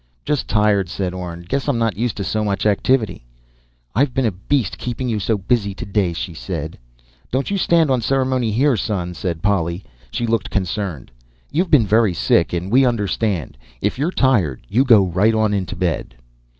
"Just tired," said Orne. "Guess I'm not used to so much activity." "And I've been a beast keeping you so busy today," she said. "Don't you stand on ceremony here, son," said Polly. She looked concerned. "You've been very sick, and we understand. If you're tired, you go right on into bed."